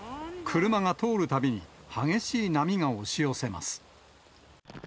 車が通るたびに激しい波が押し寄せます。